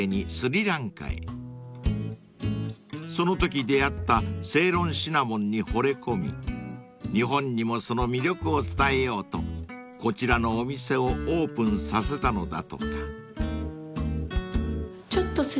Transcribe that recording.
［そのとき出合ったセイロンシナモンにほれ込み日本にもその魅力を伝えようとこちらのお店をオープンさせたのだとか］